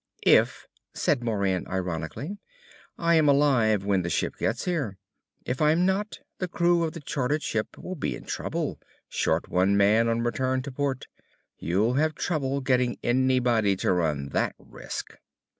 "If," said Moran ironically, "I am alive when the ship gets here. If I'm not, the crew of the chartered ship will be in trouble, short one man on return to port. You'll have trouble getting anybody to run that risk!"